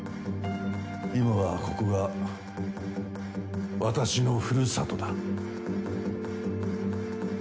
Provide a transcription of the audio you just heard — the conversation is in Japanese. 今はここが私のふるさとだ。